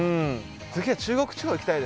次は中国地方行きたいですね。